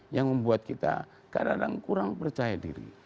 yang membuat kita kadang kadang kurang percaya diri